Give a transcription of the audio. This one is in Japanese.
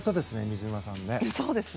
水沼さん。